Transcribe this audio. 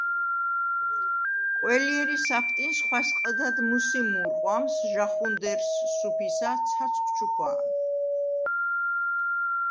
ყველჲერი საფტინს ხვასყჷდად მუსი მუ̄რყვამს ჟაჴუნდერს, სუფისა, ცაცხვ ჩუქვა̄ნ.